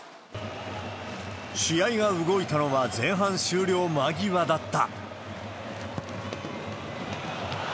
試合が動いたのは、前半終了間際だった。